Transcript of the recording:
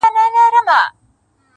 • زما پر زړه باندي تل اورې زما یادېږې -